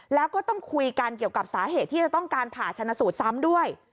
แล้วก็ต้องคุยกันเกี่ยวกับสาเหตุที่จะต้องการผ่าชนะสูตรซ้ำด้วย